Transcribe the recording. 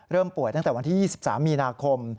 ป่วยตั้งแต่วันที่๒๓มีนาคม